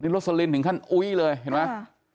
รถสลินถึงขั้นอุ้ยเลยเห็นมั้ย